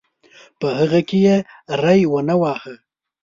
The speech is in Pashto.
په هغه کې یې ری ونه واهه.